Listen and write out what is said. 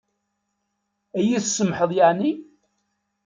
Ad yi-tsamḥeḍ yeεni?